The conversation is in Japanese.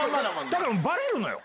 だからバレるのよ。